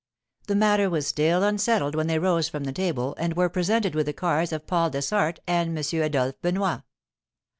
The matter was still unsettled when they rose from the table and were presented with the cards of Paul Dessart and M. Adolphe Benoit.